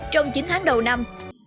trong chín tháng đầu năm